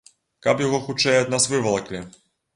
Каб яго хутчэй ад нас вывалаклі.